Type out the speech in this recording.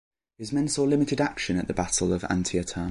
His men saw limited action at the Battle of Antietam.